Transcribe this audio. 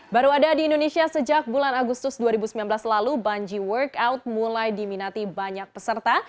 baru ada di indonesia sejak bulan agustus dua ribu sembilan belas lalu bungee workout mulai diminati banyak peserta